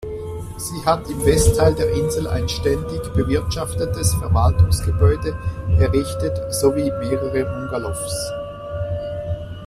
Sie hat im Westteil der Insel ein ständig bewirtschaftetes Verwaltungsgebäude errichtet sowie mehrere Bungalows.